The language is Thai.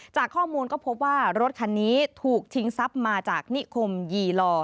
จากข้อมูลก็พบว่ารถคันนี้ถูกชิงทรัพย์มาจากนิคมยีลอ